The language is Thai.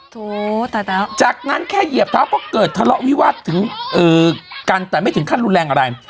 โถตัดเท้าจากนั้นแค่เหยียบเท้าก็เกิดทะเลาะวิวาสถึงกันแต่ไม่ถึงขั้นรุนแรงอะไร